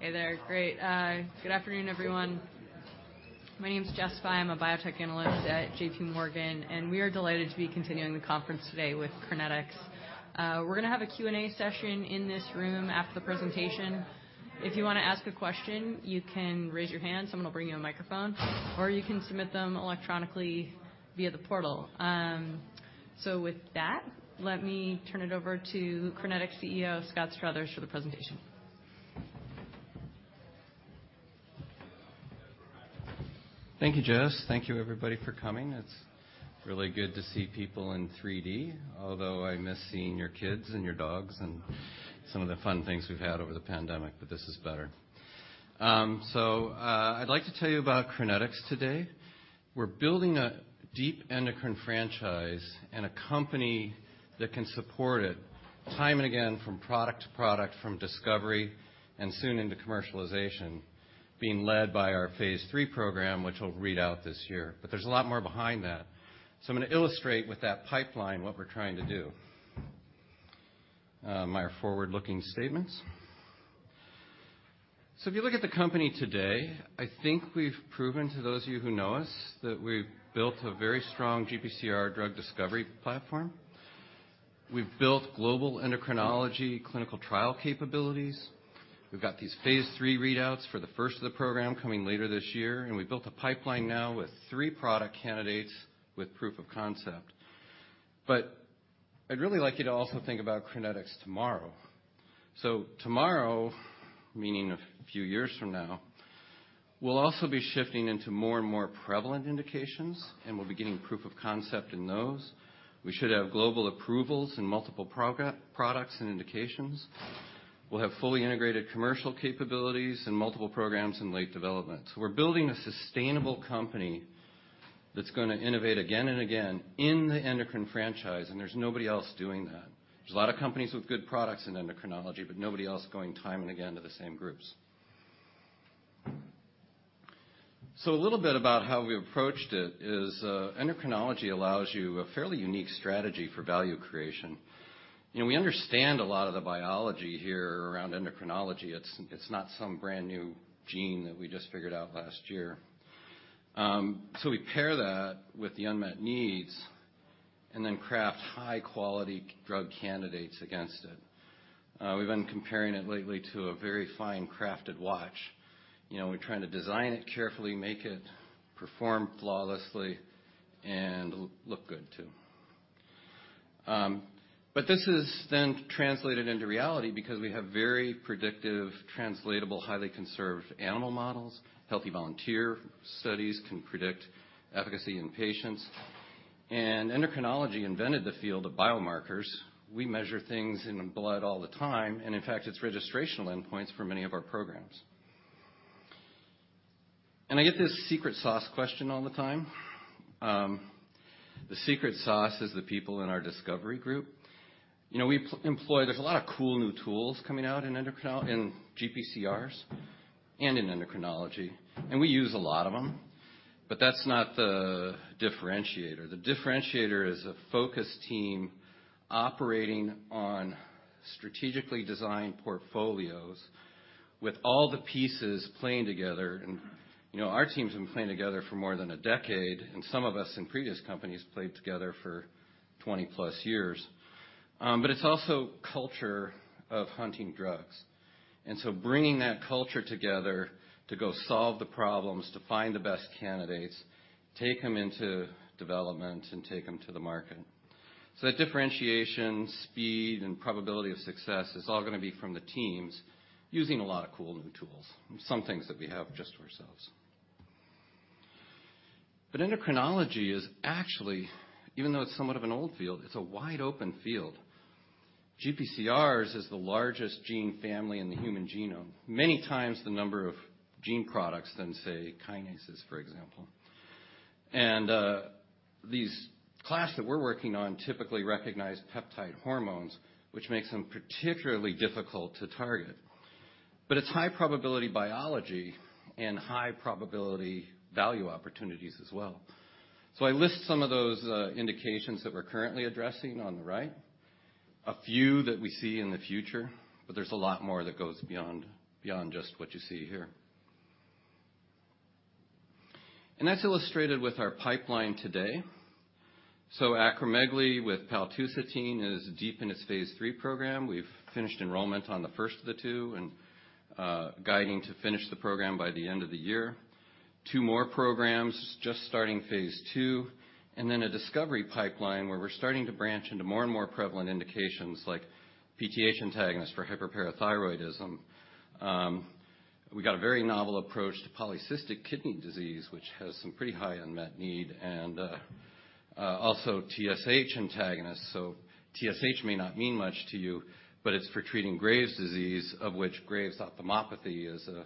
Hey there. Great. Good afternoon, everyone. My name is Jessica Fye. I'm a biotech analyst at JPMorgan. We are delighted to be continuing the conference today with Crinetics. We're gonna have a Q&A session in this room after the presentation. If you wanna ask a question, you can raise your hand. Someone will bring you a microphone, or you can submit them electronically via the portal. With that, let me turn it over to Crinetics CEO, Scott Struthers for the presentation. Thank you, Jess. Thank you, everybody, for coming. It's really good to see people in 3D, although I miss seeing your kids and your dogs and some of the fun things we've had over the pandemic, this is better. I'd like to tell you about Crinetics today. We're building a deep endocrine franchise and a company that can support it time and again from product to product, from discovery and soon into commercialization, being led by our phase III program, which will read out this year. There's a lot more behind that. I'm gonna illustrate with that pipeline what we're trying to do. My forward-looking statements. If you look at the company today, I think we've proven to those of you who know us that we've built a very strong GPCR drug discovery platform. We've built global endocrinology clinical trial capabilities. We've got these phase III readouts for the first of the program coming later this year. We built a pipeline now with three product candidates with proof of concept. I'd really like you to also think about Crinetics tomorrow. Tomorrow, meaning a few years from now, we'll also be shifting into more and more prevalent indications, and we'll be getting proof of concept in those. We should have global approvals in multiple products and indications. We'll have fully integrated commercial capabilities and multiple programs in late development. We're building a sustainable company that's gonna innovate again and again in the endocrine franchise, and there's nobody else doing that. There's a lot of companies with good products in endocrinology, but nobody else going time and again to the same groups. A little bit about how we approached it is, endocrinology allows you a fairly unique strategy for value creation. You know, we understand a lot of the biology here around endocrinology. It's not some brand-new gene that we just figured out last year. We pair that with the unmet needs and then craft high-quality drug candidates against it. We've been comparing it lately to a very fine crafted watch. You know, we're trying to design it carefully, make it perform flawlessly and look good too. This is then translated into reality because we have very predictive, translatable, highly conserved animal models. Healthy volunteer studies can predict efficacy in patients. Endocrinology invented the field of biomarkers. We measure things in the blood all the time, and in fact, it's registrational endpoints for many of our programs. I get this secret sauce question all the time. The secret sauce is the people in our discovery group. You know, we employ. There's a lot of cool new tools coming out in GPCRs and in endocrinology, and we use a lot of them, but that's not the differentiator. The differentiator is a focused team operating on strategically designed portfolios with all the pieces playing together. You know, our teams have been playing together for more than a decade, and some of us in previous companies played together for 20+ years. It's also culture of hunting drugs, and so bringing that culture together to go solve the problems, to find the best candidates, take them into development and take them to the market. That differentiation, speed, and probability of success is all gonna be from the teams using a lot of cool new tools and some things that we have just for ourselves. Endocrinology is actually, even though it's somewhat of an old field, it's a wide-open field. GPCRs is the largest gene family in the human genome, many times the number of gene products than, say, kinases, for example. These class that we're working on typically recognize peptide hormones, which makes them particularly difficult to target. It's high-probability biology and high-probability value opportunities as well. I list some of those indications that we're currently addressing on the right. A few that we see in the future, but there's a lot more that goes beyond just what you see here. That's illustrated with our pipeline today. Acromegaly with paltusotine is deep in its phase III program. We've finished enrollment on the first of the two and guiding to finish the program by the end of the year. Two more programs just starting phase II, and then a discovery pipeline where we're starting to branch into more and more prevalent indications like PTH antagonist for hyperparathyroidism. We've got a very novel approach to polycystic kidney disease, which has some pretty high unmet need and also TSH antagonists. TSH may not mean much to you, but it's for treating Graves' disease, of which Graves' ophthalmopathy is a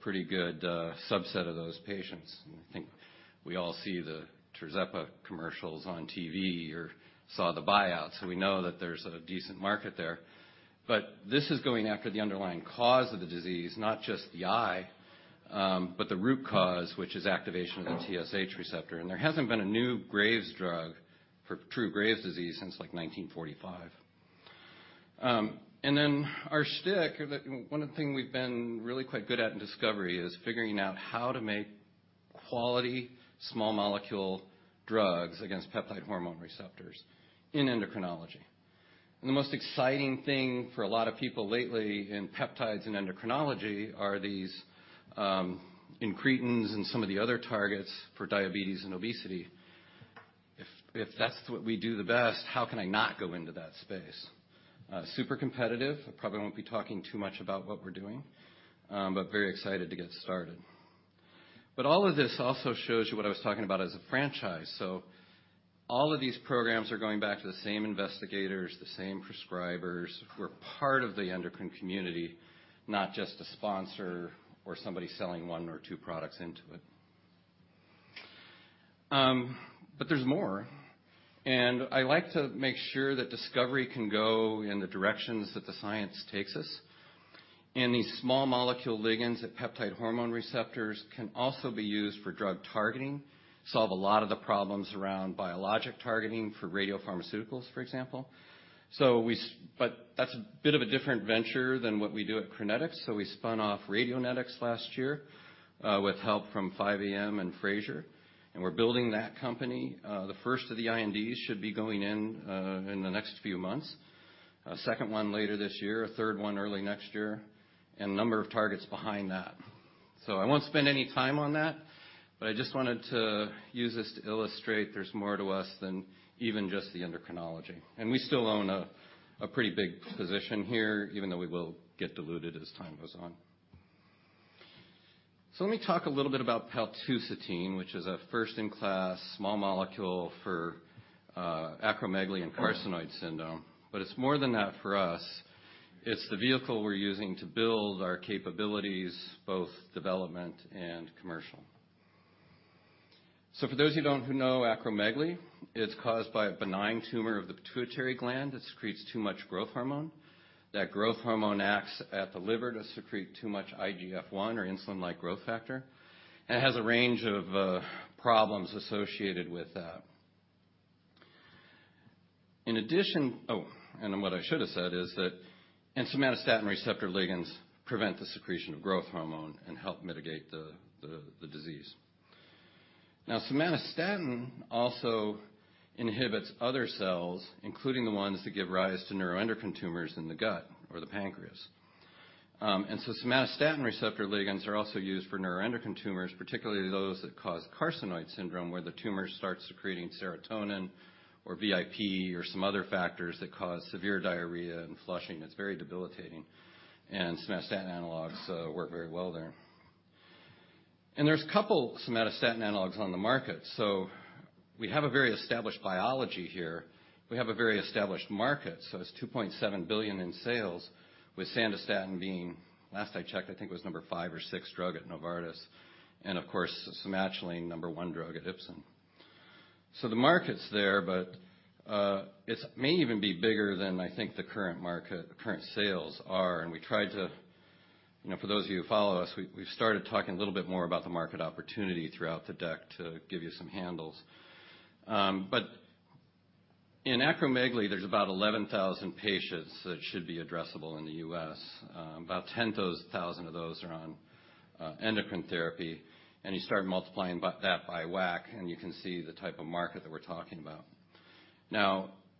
pretty good subset of those patients. I think we all see the tirzepa commercials on TV or saw the buyout, so we know that there's a decent market there. This is going after the underlying cause of the disease, not just the eye, but the root cause, which is activation of the TSH receptor. There hasn't been a new Graves' drug for true Graves' disease since, like, 1945. And then our shtick that, one of the thing we've been really quite good at in discovery is figuring out how to make quality small molecule drugs against peptide hormone receptors in endocrinology. The most exciting thing for a lot of people lately in peptides and endocrinology are these incretins and some of the other targets for diabetes and obesity. If that's what we do the best, how can I not go into that space? Super competitive. I probably won't be talking too much about what we're doing, but very excited to get started. All of this also shows you what I was talking about as a franchise. All of these programs are going back to the same investigators, the same prescribers. We're part of the endocrine community, not just a sponsor or somebody selling one or two products into it. There's more. I like to make sure that discovery can go in the directions that the science takes us. These small molecule ligands at peptide hormone receptors can also be used for drug targeting, solve a lot of the problems around biologic targeting for radiopharmaceuticals, for example. That's a bit of a different venture than what we do at Crinetics. We spun off Radionetics last year with help from 5AM and Frazier, and we're building that company. The first of the INDs should be going in in the next few months. A second one later this year, a third one early next year, and a number of targets behind that. I won't spend any time on that, but I just wanted to use this to illustrate there's more to us than even just the endocrinology. We still own a pretty big position here, even though we will get diluted as time goes on. Let me talk a little bit about paltusotine, which is a first-in-class small molecule for acromegaly and carcinoid syndrome. It's more than that for us. It's the vehicle we're using to build our capabilities, both development and commercial. For those who know acromegaly, it's caused by a benign tumor of the pituitary gland that secretes too much growth hormone. That growth hormone acts at the liver to secrete too much IGF-1 or insulin-like growth factor. It has a range of problems associated with that. Oh, what I should have said is that somatostatin receptor ligands prevent the secretion of growth hormone and help mitigate the disease. Somatostatin also inhibits other cells, including the ones that give rise to neuroendocrine tumors in the gut or the pancreas. Somatostatin receptor ligands are also used for neuroendocrine tumors, particularly those that cause carcinoid syndrome, where the tumor starts secreting serotonin or VIP or some other factors that cause severe diarrhea and flushing. It's very debilitating. Somatostatin analogs work very well there. There's a couple somatostatin analogs on the market. We have a very established biology here. We have a very established market. It's $2.7 billion in sales with Sandostatin being, last I checked, I think it was number five or six drug at Novartis, and of course, Somatuline, number one drug at Ipsen. The market's there, but it's may even be bigger than I think the current market, current sales are. We tried to, you know, for those of you who follow us, we've started talking a little bit more about the market opportunity throughout the deck to give you some handles. In acromegaly, there's about 11,000 patients that should be addressable in the U.S. About 10,000 of those are on endocrine therapy, and you start multiplying by that by WAC, and you can see the type of market that we're talking about.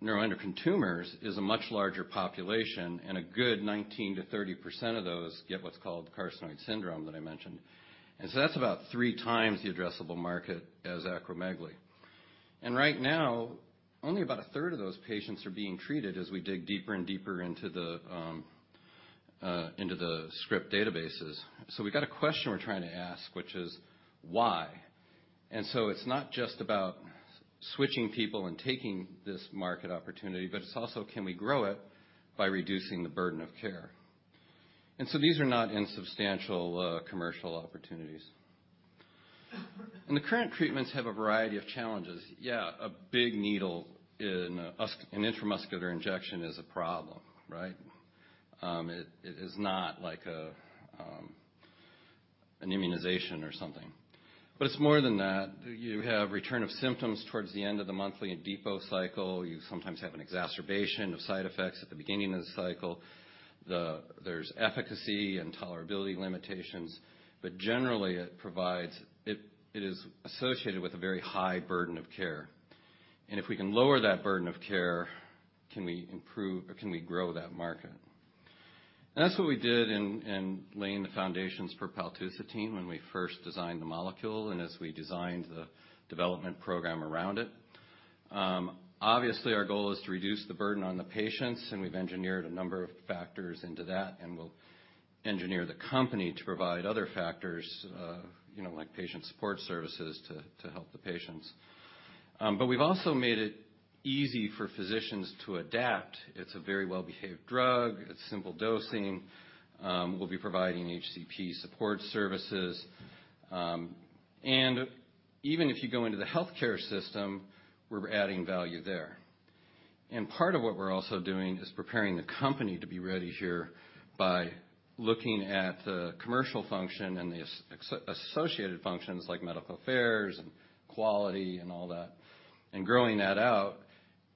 neuroendocrine tumors is a much larger population, a good 19%-30% of those get what's called carcinoid syndrome that I mentioned. That's about 3x the addressable market as acromegaly. Right now, only about a third of those patients are being treated as we dig deeper and deeper into the script databases. We got a question we're trying to ask, which is why? It's not just about switching people and taking this market opportunity, but it's also, can we grow it by reducing the burden of care? These are not insubstantial commercial opportunities. The current treatments have a variety of challenges. Yeah, a big needle in an intramuscular injection is a problem, right? It, it is not like an immunization or something. It's more than that. You have return of symptoms towards the end of the monthly depot cycle. You sometimes have an exacerbation of side effects at the beginning of the cycle. There's efficacy and tolerability limitations, but generally, it is associated with a very high burden of care. If we can lower that burden of care, can we improve or can we grow that market? That's what we did in laying the foundations for paltusotine when we first designed the molecule and as we designed the development program around it. Obviously, our goal is to reduce the burden on the patients, and we've engineered a number of factors into that, and we'll engineer the company to provide other factors, you know, like patient support services to help the patients. We've also made it easy for physicians to adapt. It's a very well-behaved drug. It's simple dosing. We'll be providing HCP support services. Even if you go into the healthcare system, we're adding value there. Part of what we're also doing is preparing the company to be ready here by looking at the commercial function and the associated functions like medical affairs and quality and all that, and growing that out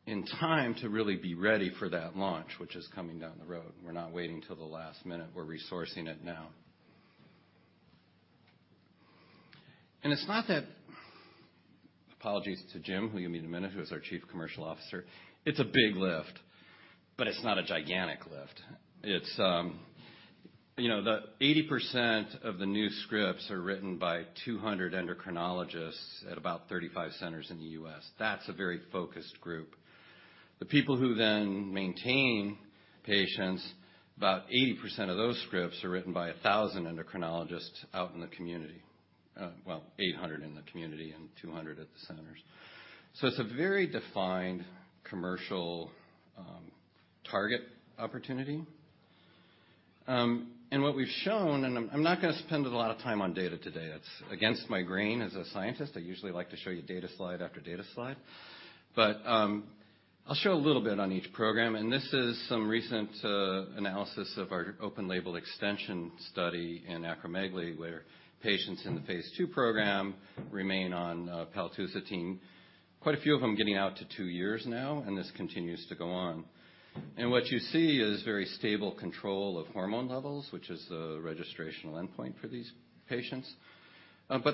in time to really be ready for that launch, which is coming down the road. We're not waiting till the last minute. We're resourcing it now. It's not that. Apologies to Jim, who you'll meet in a minute, who is our Chief Commercial Officer. It's a big lift, but it's not a gigantic lift. It's, you know, the 80% of the new scripts are written by 200 endocrinologists at about 35 centers in the U.S. That's a very focused group. The people who then maintain patients, about 80% of those scripts are written by 1,000 endocrinologists out in the community. Well, 800 in the community and 200 at the centers. It's a very defined commercial target opportunity. What we've shown, and I'm not gonna spend a lot of time on data today. It's against my grain as a scientist. I usually like to show you data slide after data slide. I'll show a little bit on each program, and this is some recent analysis of our open label extension study in acromegaly, where patients in the phase II program remain on paltusotine, quite a few of them getting out to two years now, and this continues to go on. What you see is very stable control of hormone levels, which is the registrational endpoint for these patients.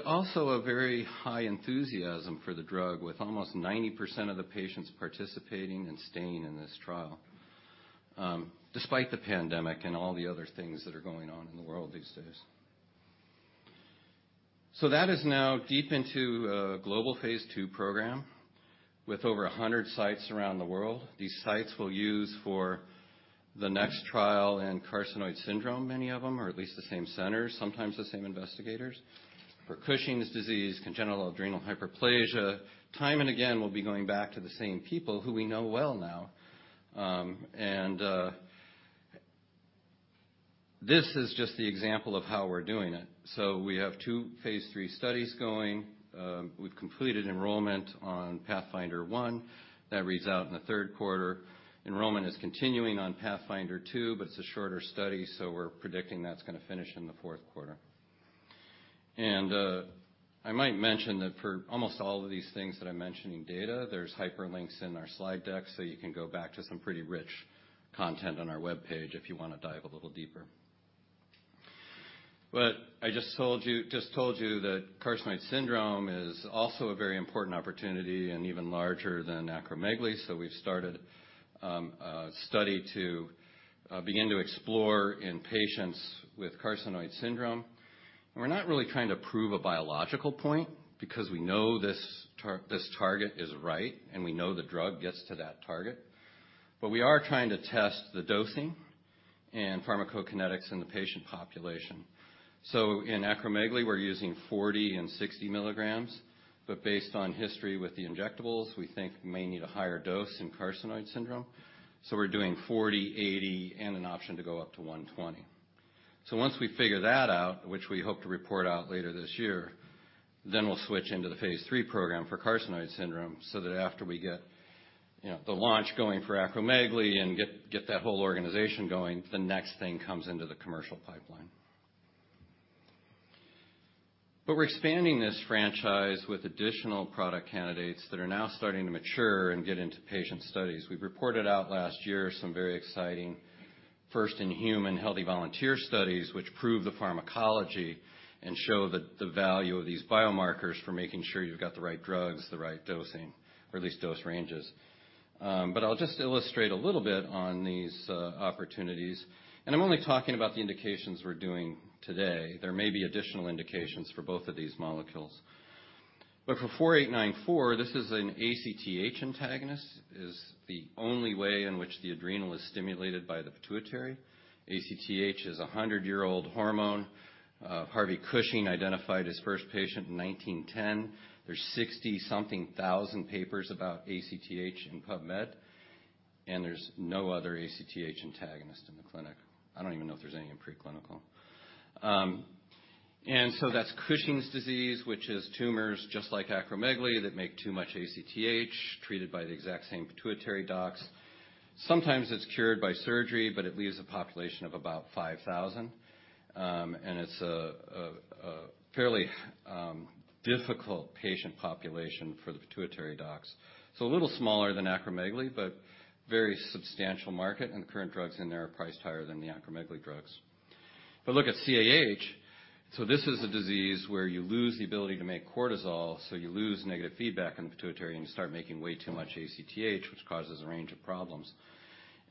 Also a very high enthusiasm for the drug, with almost 90% of the patients participating and staying in this trial, despite the pandemic and all the other things that are going on in the world these days. That is now deep into a global phase II program with over 100 sites around the world. These sites we'll use for the next trial in carcinoid syndrome, many of them, or at least the same centers, sometimes the same investigators. For Cushing's disease, congenital adrenal hyperplasia, time and again, we'll be going back to the same people who we know well now. This is just the example of how we're doing it. We have two phase III studies going. We've completed enrollment on PATHFNDR-1. That reads out in the third quarter. Enrollment is continuing on PATHFNDR-2, but it's a shorter study, so we're predicting that's gonna finish in the fourth quarter. I might mention that for almost all of these things that I mention in data, there's hyperlinks in our slide deck, so you can go back to some pretty rich content on our webpage if you wanna dive a little deeper. I just told you that carcinoid syndrome is also a very important opportunity and even larger than acromegaly. We've started a study to begin to explore in patients with carcinoid syndrome. We're not really trying to prove a biological point because we know this target is right and we know the drug gets to that target. We are trying to test the dosing and pharmacokinetics in the patient population. In acromegaly, we're using 40 mg and 60 mg, but based on history with the injectables, we think we may need a higher dose in carcinoid syndrome. We're doing 40, 80, and an option to go up to 120. Once we figure that out, which we hope to report out later this year, then we'll switch into the phase III program for carcinoid syndrome, so that after we get, you know, the launch going for acromegaly and get that whole organization going, the next thing comes into the commercial pipeline. We're expanding this franchise with additional product candidates that are now starting to mature and get into patient studies. We reported out last year some very exciting first in human healthy volunteer studies, which prove the pharmacology and show the value of these biomarkers for making sure you've got the right drugs, the right dosing, or at least dose ranges. I'll just illustrate a little bit on these opportunities. I'm only talking about the indications we're doing today. There may be additional indications for both of these molecules. For 4894, this is an ACTH antagonist, is the only way in which the adrenal is stimulated by the pituitary. ACTH is a 100-year-old hormone. Harvey Cushing identified his first patient in 1910. There's 60-something thousand papers about ACTH in PubMed, there's no other ACTH antagonist in the clinic. I don't even know if there's any in preclinical. That's Cushing's disease, which is tumors just like acromegaly that make too much ACTH, treated by the exact same pituitary docs. Sometimes it's cured by surgery, it leaves a population of about 5,000. It's a fairly difficult patient population for the pituitary docs. A little smaller than acromegaly, very substantial market, the current drugs in there are priced higher than the acromegaly drugs. Look at CAH. This is a disease where you lose the ability to make cortisol, so you lose negative feedback in the pituitary, you start making way too much ACTH, which causes a range of problems.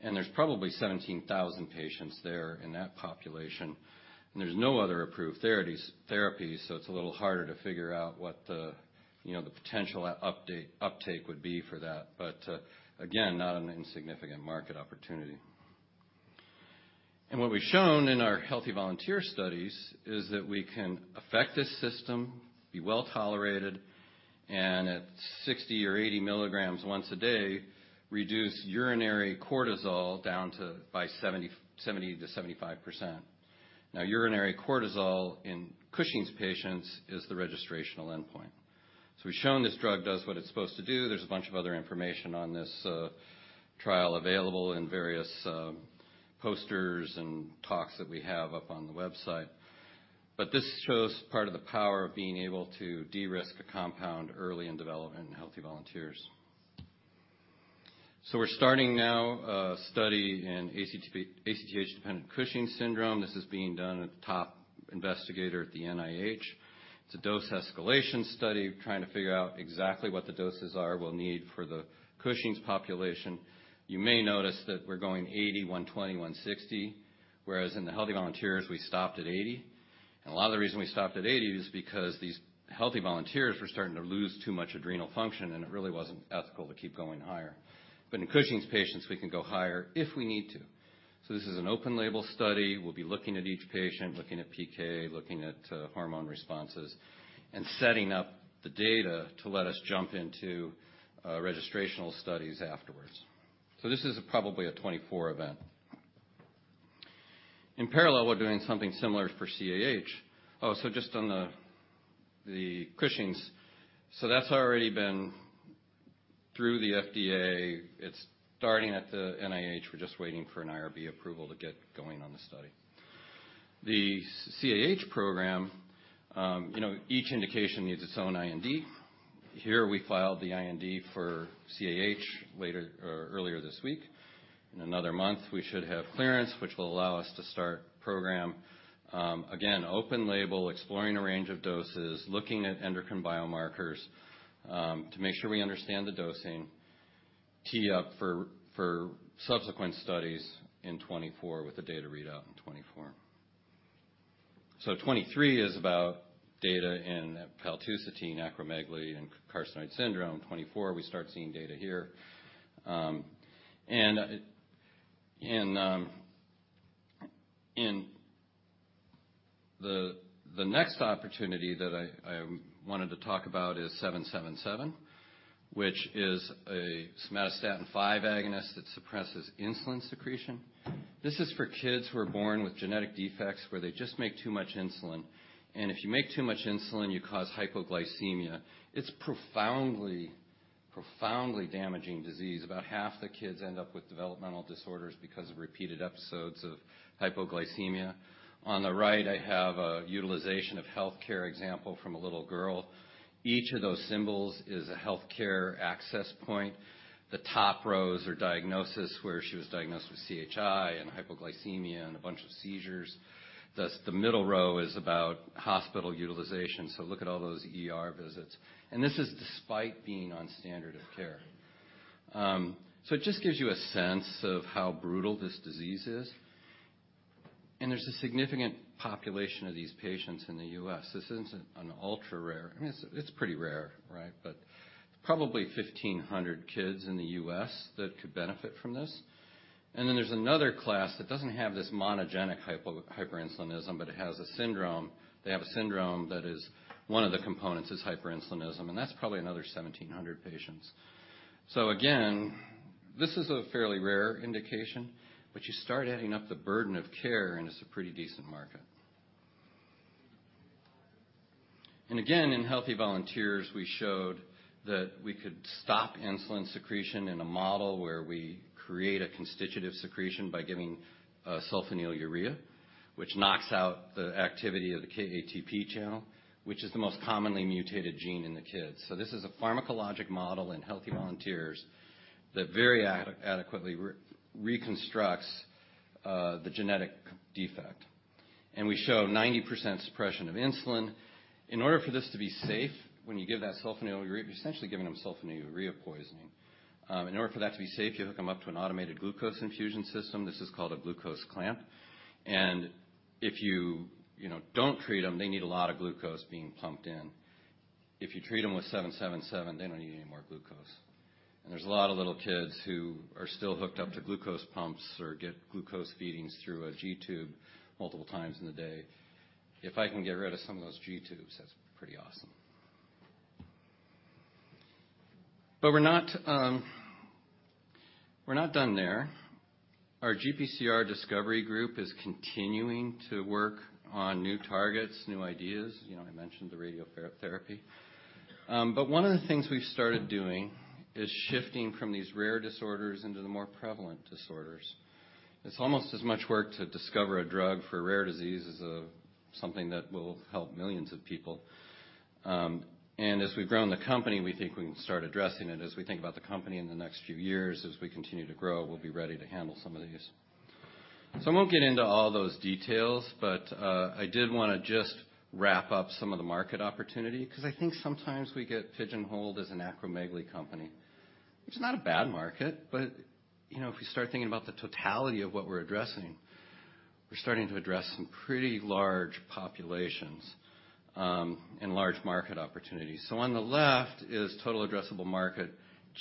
There's probably 17,000 patients there in that population, and there's no other approved therapy, so it's a little harder to figure out what the, you know, the potential uptake would be for that. Again, not an insignificant market opportunity. What we've shown in our healthy volunteer studies is that we can affect this system, be well-tolerated, and at 60 mg or 80 mg once a day, reduce urinary cortisol down to 70%-75%. Urinary cortisol in Cushing's patients is the registrational endpoint. So we've shown this drug does what it's supposed to do. There's a bunch of other information on this trial available in various posters and talks that we have up on the website. This shows part of the power of being able to de-risk a compound early in development in healthy volunteers. We're starting now a study in ACTH-dependent Cushing's syndrome. This is being done at the top investigator at the NIH. It's a dose escalation study trying to figure out exactly what the doses are we'll need for the Cushing's population. You may notice that we're going 80, 120, 160, whereas in the healthy volunteers, we stopped at 80. A lot of the reason we stopped at 80 is because these healthy volunteers were starting to lose too much adrenal function, and it really wasn't ethical to keep going higher. In Cushing's patients, we can go higher if we need to. This is an open label study. We'll be looking at each patient, looking at PK, looking at hormone responses, and setting up the data to let us jump into registrational studies afterwards. This is probably a 24 event. In parallel, we're doing something similar for CAH. Just on the Cushing's. That's already been through the FDA. It's starting at the NIH. We're just waiting for an IRB approval to get going on the study. The CAH program, you know, each indication needs its own IND. Here we filed the IND for CAH later or earlier this week. In another month, we should have clearance, which will allow us to start program, again, open label, exploring a range of doses, looking at endocrine biomarkers, to make sure we understand the dosing, tee up for subsequent studies in 2024 with the data readout in 2024. 2023 is about data in paltusotine, acromegaly, and carcinoid syndrome. 2024, we start seeing data here. The next opportunity that I wanted to talk about is 777, which is a somatostatin receptor five agonist that suppresses insulin secretion. This is for kids who are born with genetic defects where they just make too much insulin. If you make too much insulin, you cause hypoglycemia. It's profoundly damaging disease. About half the kids end up with developmental disorders because of repeated episodes of hypoglycemia. On the right, I have a utilization of healthcare example from a little girl. Each of those symbols is a healthcare access point. The top rows are diagnosis, where she was diagnosed with CHI and hypoglycemia and a bunch of seizures. The middle row is about hospital utilization. Look at all those ER visits. This is despite being on standard of care. It just gives you a sense of how brutal this disease is. There's a significant population of these patients in the U.S. This isn't an ultra-rare. I mean, it's pretty rare, right? Probably 1,500 kids in the U.S. that could benefit from this. There's another class that doesn't have this monogenic hyperinsulinism, but it has a syndrome. They have a syndrome that is one of the components is hyperinsulinism, and that's probably another 1,700 patients. This is a fairly rare indication, but you start adding up the burden of care, and it's a pretty decent market. Again, in healthy volunteers, we showed that we could stop insulin secretion in a model where we create a constitutive secretion by giving a sulfonylurea, which knocks out the activity of the KATP channel, which is the most commonly mutated gene in the kids. This is a pharmacologic model in healthy volunteers that very adequately reconstructs the genetic defect. We show 90% suppression of insulin. In order for this to be safe, when you give that sulfonylurea, you're essentially giving them sulfonylurea poisoning. In order for that to be safe, you hook them up to an automated glucose infusion system. This is called a glucose clamp. If you know, don't treat them, they need a lot of glucose being pumped in. If you treat them with seven seven seven, they don't need any more glucose. There's a lot of little kids who are still hooked up to glucose pumps or get glucose feedings through a G-tube multiple times in the day. If I can get rid of some of those G-tubes, that's pretty awesome. We're not done there. Our GPCR discovery group is continuing to work on new targets, new ideas. You know, I mentioned the radiotherapy. One of the things we've started doing is shifting from these rare disorders into the more prevalent disorders. It's almost as much work to discover a drug for a rare disease as a something that will help millions of people. As we've grown the company, we think we can start addressing it. As we think about the company in the next few years, as we continue to grow, we'll be ready to handle some of these. I won't get into all those details, but I did want to just wrap up some of the market opportunity because I think sometimes we get pigeonholed as an acromegaly company, which is not a bad market. You know, if you start thinking about the totality of what we're addressing, we're starting to address some pretty large populations and large market opportunities. On the left is total addressable market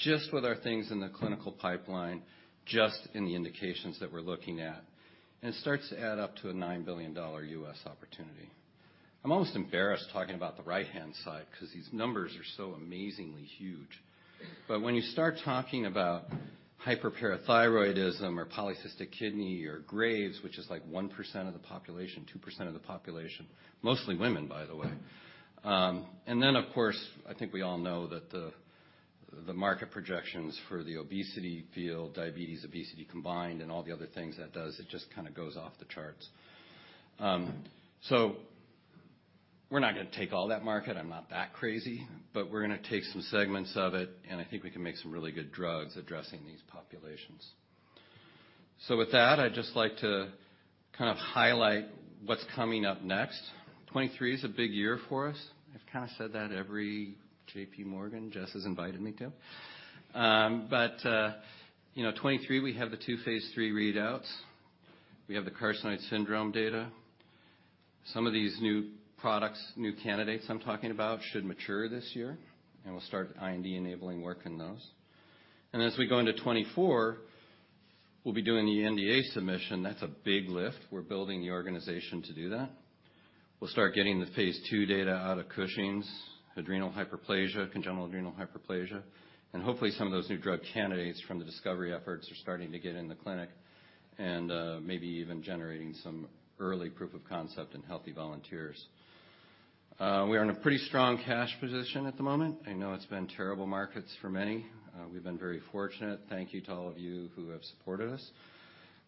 just with our things in the clinical pipeline, just in the indications that we're looking at, and it starts to add up to a $9 billion U.S. opportunity. I'm almost embarrassed talking about the right-hand side because these numbers are so amazingly huge. When you start talking about hyperparathyroidism or polycystic kidney or Graves, which is like 1% of the population, 2% of the population, mostly women, by the way. Of course, I think we all know that the market projections for the obesity field, diabetes, obesity combined, and all the other things that does, it just kind of goes off the charts. We're not going to take all that market. I'm not that crazy, but we're going to take some segments of it, and I think we can make some really good drugs addressing these populations. With that, I'd just like to kind of highlight what's coming up next. 2023 is a big year for us. I've kind of said that every JPMorgan, Jess has invited me to. You know, 2023, we have the two phase III readouts. We have the carcinoid syndrome data. Some of these new products, new candidates I'm talking about should mature this year, and we'll start IND-enabling work in those. As we go into 2024, we'll be doing the NDA submission. That's a big lift. We're building the organization to do that. We'll start getting the phase II data out of Cushing's adrenal hyperplasia, congenital adrenal hyperplasia, and hopefully some of those new drug candidates from the discovery efforts are starting to get in the clinic and maybe even generating some early proof of concept in healthy volunteers. We are in a pretty strong cash position at the moment. I know it's been terrible markets for many. We've been very fortunate. Thank you to all of you who have supported us.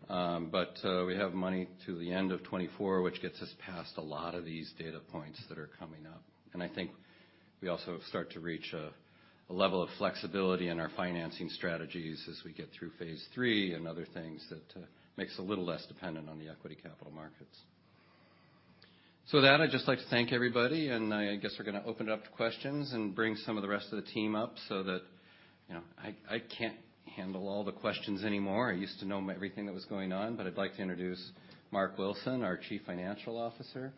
We have money to the end of 2024, which gets us past a lot of these data points that are coming up. I think we also start to reach a level of flexibility in our financing strategies as we get through phase III and other things that makes a little less dependent on the equity capital markets. With that, I'd just like to thank everybody, I guess we're gonna open it up to questions and bring some of the rest of the team up so that. You know, I can't handle all the questions anymore. I used to know everything that was going on, I'd like to introduce Marc Wilson, our Chief Financial Officer,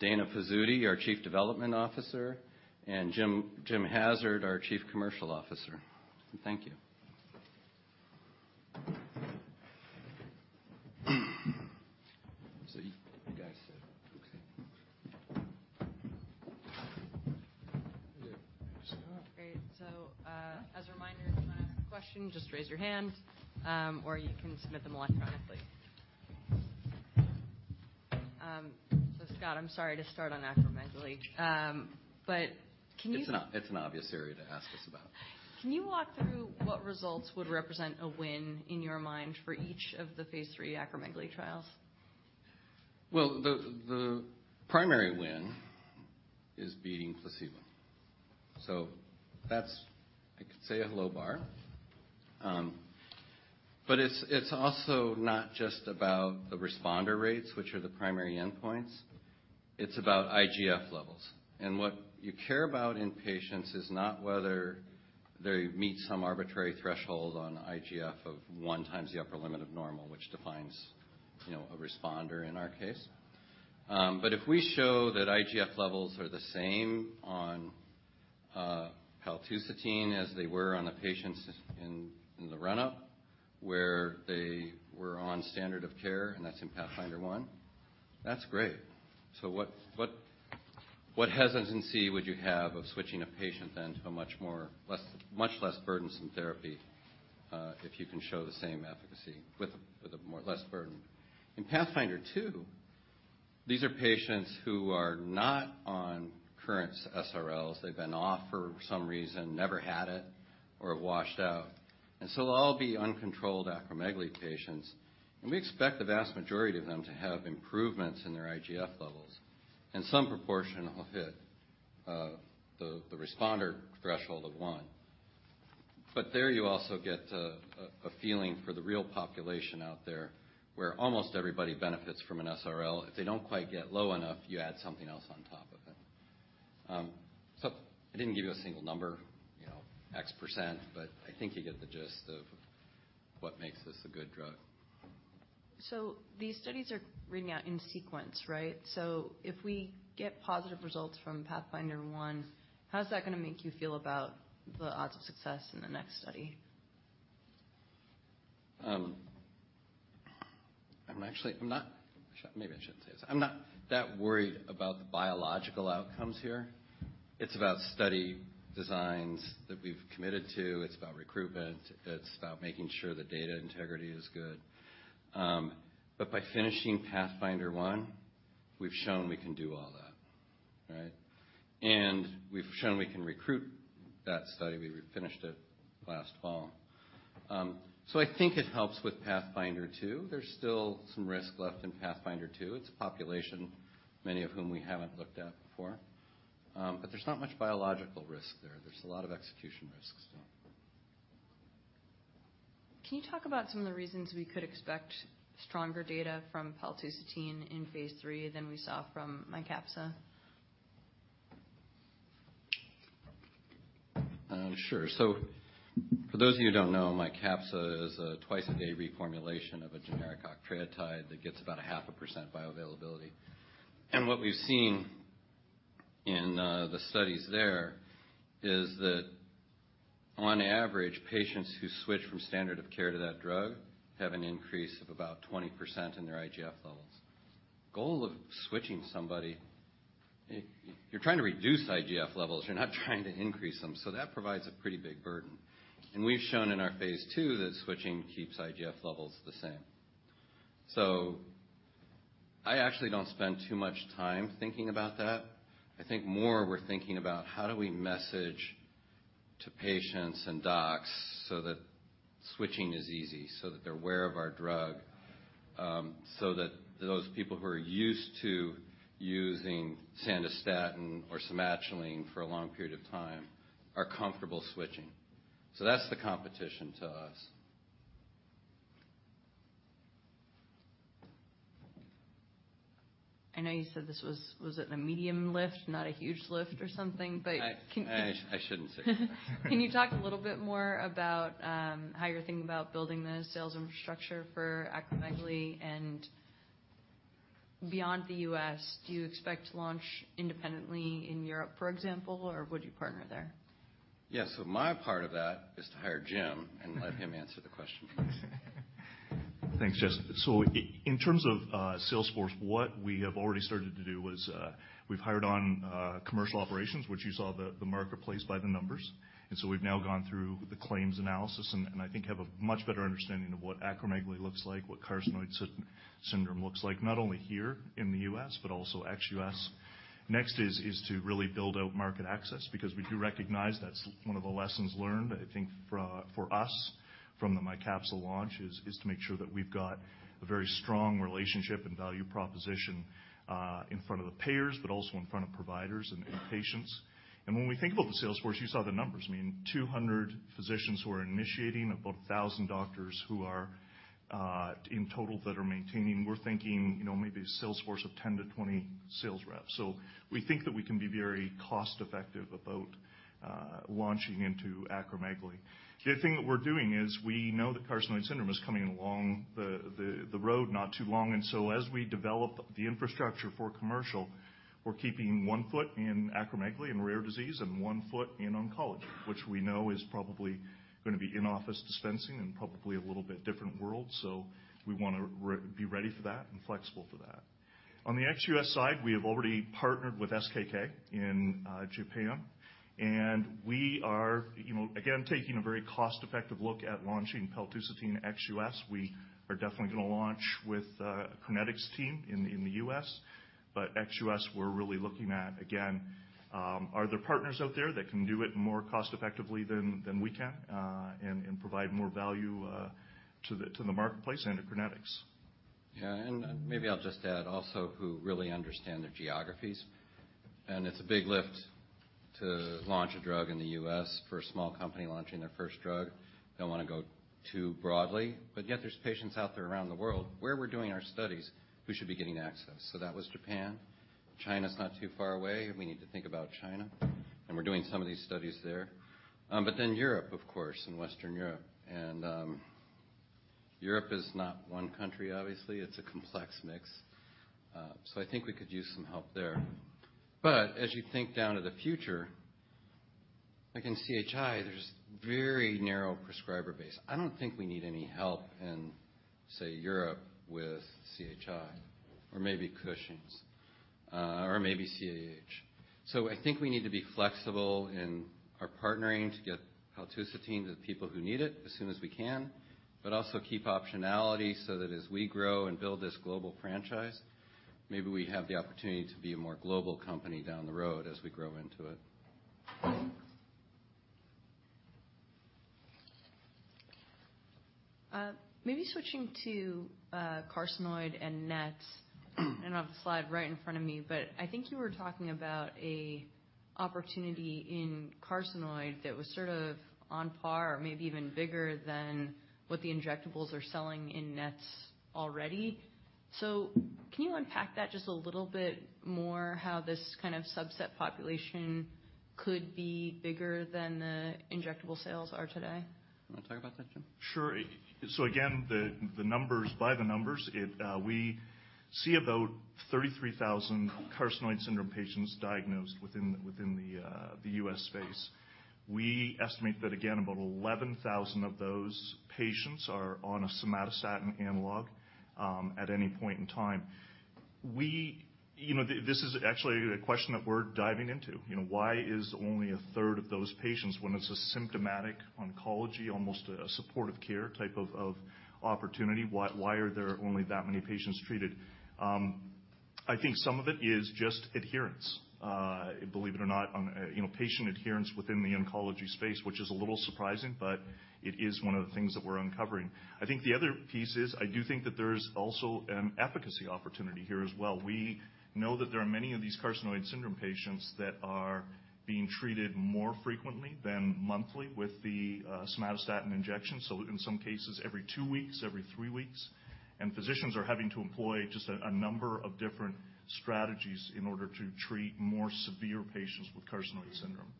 Dana Pizzuti, our Chief Development Officer, and Jim Hassard, our Chief Commercial Officer. Thank you. You guys. Okay. Great. As a reminder, if you wanna ask a question, just raise your hand, or you can submit them electronically. Scott, I'm sorry to start on acromegaly. It's an obvious area to ask us about. Can you walk through what results would represent a win in your mind for each of the phase III acromegaly trials? The primary win is beating placebo. That's, I could say, a low bar. But it's also not just about the responder rates, which are the primary endpoints. It's about IGF levels. What you care about in patients is not whether they meet some arbitrary threshold on IGF of 1x the upper limit of normal, which defines, you know, a responder in our case. But if we show that IGF levels are the same on paltusotine as they were on the patients in the run-up, where they were on standard of care, and that's in PATHFNDR-1, that's great. What hesitancy would you have of switching a patient then to a much less burdensome therapy, if you can show the same efficacy with a more less burden? In PATHFNDR-2, these are patients who are not on current SRLs. They've been off for some reason, never had it, or have washed out. They'll all be uncontrolled acromegaly patients. We expect the vast majority of them to have improvements in their IGF levels, and some proportion will hit the responder threshold of one. There you also get a feeling for the real population out there, where almost everybody benefits from an SRL. If they don't quite get low enough, you add something else on top of it. I didn't give you a single number, you know, X%, but I think you get the gist of what makes this a good drug. These studies are reading out in sequence, right? If we get positive results from PATHFNDR-1, how's that gonna make you feel about the odds of success in the next study? I'm actually, I'm not. Maybe I shouldn't say this. I'm not that worried about the biological outcomes here. It's about study designs that we've committed to. It's about recruitment. It's about making sure the data integrity is good. By finishing PATHFNDR-1, we've shown we can do all that, right? We've shown we can recruit that study. We re-finished it last fall. I think it helps with PATHFNDR-2. There's still some risk left in PATHFNDR-2. It's a population many of whom we haven't looked at before. There's not much biological risk there. There's a lot of execution risks, so. Can you talk about some of the reasons we could expect stronger data from paltusotine in phase III than we saw from MYCAPSSA? Sure. For those of you who don't know, MYCAPSSA is a twice-a-day reformulation of a generic octreotide that gets about a half a % bioavailability. What we've seen in the studies there is that on average, patients who switch from standard of care to that drug have an increase of about 20% in their IGF levels. Goal of switching somebody, you're trying to reduce IGF levels. You're not trying to increase them. That provides a pretty big burden. We've shown in our phase II that switching keeps IGF levels the same. I actually don't spend too much time thinking about that. I think more we're thinking about how do we message to patients and docs so that switching is easy, so that they're aware of our drug. That those people who are used to using Sandostatin or Somatuline for a long period of time are comfortable switching. That's the competition to us. I know you said this was it a medium lift, not a huge lift or something? I shouldn't say. Can you talk a little bit more about how you're thinking about building the sales infrastructure for acromegaly and beyond the U.S., do you expect to launch independently in Europe, for example, or would you partner there? Yes. My part of that is to hire Jim and let him answer the question please. Thanks, Jess. In terms of sales force, what we have already started to do was, we've hired on commercial operations, which you saw the marketplace by the numbers. We've now gone through the claims analysis and I think have a much better understanding of what acromegaly looks like, what carcinoid syndrome looks like, not only here in the U.S., but also ex-U.S. Next is to really build out market access, because we do recognize that's one of the lessons learned, I think for us from the MYCAPSSA launch, is to make sure that we've got a very strong relationship and value proposition in front of the payers, but also in front of providers and in patients. When we think about the sales force, you saw the numbers. I mean, 200 physicians who are initiating, about 1,000 doctors who are in total that are maintaining. We're thinking, you know, maybe a sales force of September 20 sales reps. We think that we can be very cost effective about launching into acromegaly. The other thing that we're doing is we know that carcinoid syndrome is coming along the road not too long. As we develop the infrastructure for commercial, we're keeping one foot in acromegaly and rare disease and one foot in oncology, which we know is probably gonna be in-office dispensing and probably a little bit different world. We wanna be ready for that and flexible for that. On the ex-U.S. side, we have already partnered with SKK in Japan, and we are, you know, again, taking a very cost-effective look at launching paltusotine ex-U.S.. We are definitely gonna launch with Crinetics team in the U.S.. Ex-U.S., we're really looking at, again, are there partners out there that can do it more cost effectively than we can and provide more value to the marketplace and to Crinetics. Yeah. Maybe I'll just add also who really understand their geographies. It's a big lift to launch a drug in the U.S. for a small company launching their first drug. Don't wanna go too broadly, but yet there's patients out there around the world where we're doing our studies who should be getting access. That was Japan. China's not too far away. We need to think about China, and we're doing some of these studies there. Europe, of course, and Western Europe. Europe is not one country, obviously. It's a complex mix. I think we could use some help there. As you think down to the future, like in CHI, there's very narrow prescriber base. I don't think we need any help in, say, Europe with CHI or maybe Cushing's or maybe CAH. I think we need to be flexible in our partnering to get paltusotine to the people who need it as soon as we can, but also keep optionality so that as we grow and build this global franchise, maybe we have the opportunity to be a more global company down the road as we grow into it. Maybe switching to carcinoid and NET, I don't have the slide right in front of me, I think you were talking about a opportunity in carcinoid that was sort of on par or maybe even bigger than what the injectables are selling in NET already. Can you unpack that just a little bit more, how this kind of subset population could be bigger than the injectable sales are today? You wanna talk about that, Jim? Sure. Again, the numbers by the numbers, it, we see about 33,000 carcinoid syndrome patients diagnosed within the U.S. space. We estimate that again, about 11,000 of those patients are on a somatostatin analog at any point in time. You know, this is actually a question that we're diving into. You know, why is only a third of those patients when it's a symptomatic oncology, almost a supportive care type of opportunity, why are there only that many patients treated? I think some of it is just adherence. Believe it or not, you know, patient adherence within the oncology space, which is a little surprising, but it is one of the things that we're uncovering. I think the other piece is, I do think that there's also an efficacy opportunity here as well. We know that there are many of these carcinoid syndrome patients that are being treated more frequently than monthly with the somatostatin injection. In some cases, every two weeks, every three weeks. Physicians are having to employ just a number of different strategies in order to treat more severe patients with carcinoid syndrome.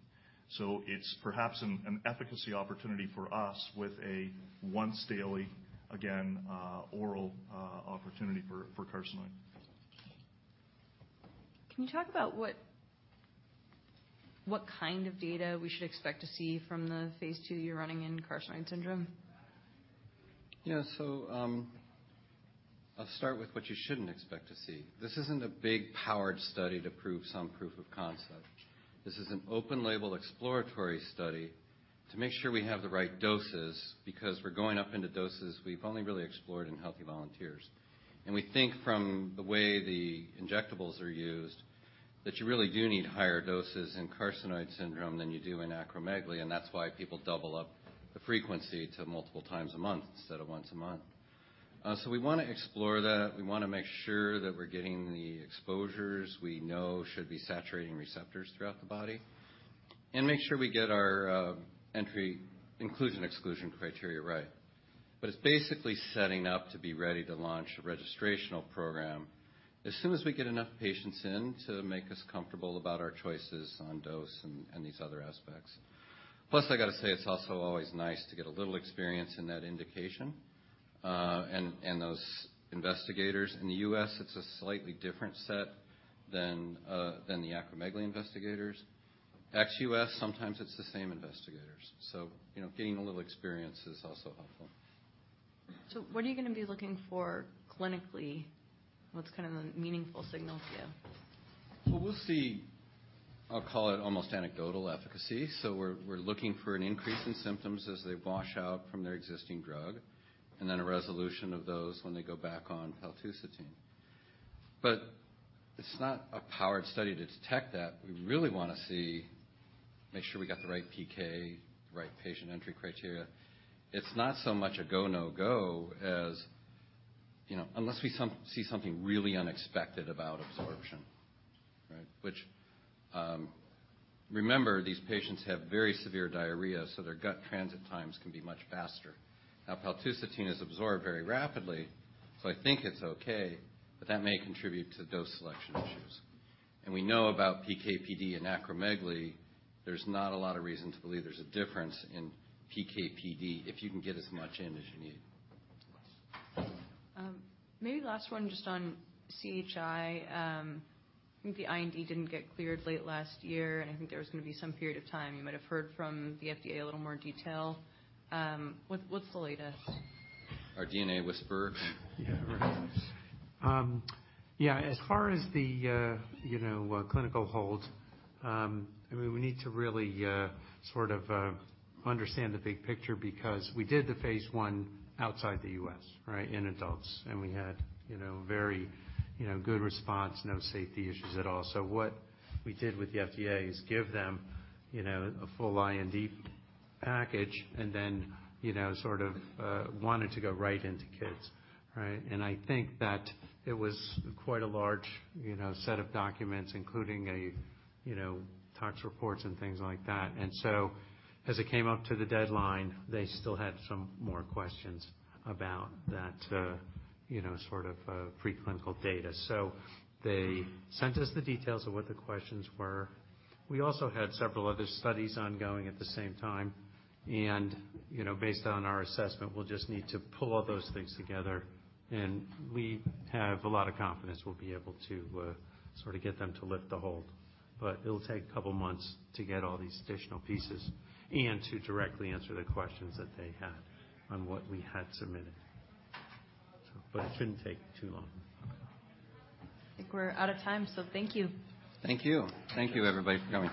It's perhaps an efficacy opportunity for us with a once daily, again, oral opportunity for for carcinoid. Can you talk about what kind of data we should expect to see from the phase II you're running in carcinoid syndrome? Yeah. I'll start with what you shouldn't expect to see. This isn't a big powered study to prove some proof of concept. This is an open label exploratory study to make sure we have the right doses, because we're going up into doses we've only really explored in healthy volunteers. We think from the way the injectables are used, that you really do need higher doses in carcinoid syndrome than you do in acromegaly, and that's why people double up the frequency to multiple times a month instead of once a month. We wanna explore that. We wanna make sure that we're getting the exposures we know should be saturating receptors throughout the body. Make sure we get our entry inclusion/exclusion criteria right. It's basically setting up to be ready to launch a registrational program as soon as we get enough patients in to make us comfortable about our choices on dose and these other aspects. I gotta say, it's also always nice to get a little experience in that indication. And those investigators in the U.S., it's a slightly different set than the acromegaly investigators. ex-U.S., sometimes it's the same investigators. You know, gaining a little experience is also helpful. What are you gonna be looking for clinically? What's kind of the meaningful signal to you? We'll see, I'll call it almost anecdotal efficacy. We're looking for an increase in symptoms as they wash out from their existing drug, and then a resolution of those when they go back on paltusotine. It's not a powered study to detect that. We really wanna see, make sure we got the right PK, right patient entry criteria. It's not so much a go, no-go as. You know, unless we see something really unexpected about absorption, right? Which, remember, these patients have very severe diarrhea, so their gut transit times can be much faster. Now, paltusotine is absorbed very rapidly, so I think it's okay, but that may contribute to dose selection issues. We know about PK/PD in acromegaly. There's not a lot of reason to believe there's a difference in PK/PD if you can get as much in as you need. Maybe last one just on CHI. I think the IND didn't get cleared late last year, and I think there was gonna be some period of time. You might have heard from the FDA a little more detail. What's the latest? Our DNA whisperer. Yeah, right. Yeah, as far as the, you know, clinical hold, I mean, we need to really sort of understand the big picture because we did the phase I outside the U.S., right? In adults. We had, you know, very, you know, good response, no safety issues at all. What we did with the FDA is give them, you know, a full IND package, you know, sort of wanted to go right into kids, right? I think that it was quite a large, you know, set of documents, including a, you know, tox reports and things like that. As it came up to the deadline, they still had some more questions about that, you know, sort of preclinical data. They sent us the details of what the questions were. We also had several other studies ongoing at the same time. You know, based on our assessment, we'll just need to pull all those things together. We have a lot of confidence we'll be able to sort of get them to lift the hold. It'll take a couple months to get all these additional pieces and to directly answer the questions that they had on what we had submitted. It shouldn't take too long. I think we're out of time, so thank you. Thank you. Thank you, everybody, for coming.